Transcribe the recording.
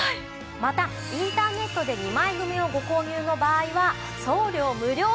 またインターネットで２枚組をご購入の場合は送料無料となります。